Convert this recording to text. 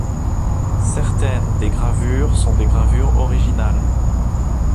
Certaines des gravures sont des gravures originales.